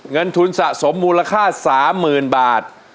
เงินทุนสะสมมูลค่า๓๐๐๐บาท